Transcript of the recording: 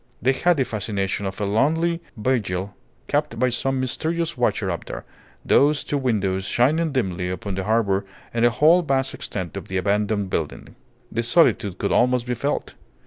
They had the fascination of a lonely vigil kept by some mysterious watcher up there, those two windows shining dimly upon the harbour in the whole vast extent of the abandoned building. The solitude could almost be felt.